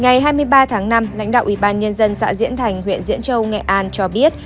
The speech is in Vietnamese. ngày hai mươi ba tháng năm lãnh đạo ủy ban nhân dân xã diễn thành huyện diễn châu nghệ an cho biết